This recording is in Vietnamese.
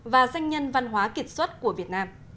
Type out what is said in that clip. và danh nhân văn hóa kiệt xuất của việt nam